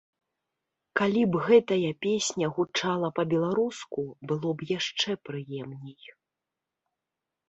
Калі б гэтая песня гучала па-беларуску, было б яшчэ прыемней.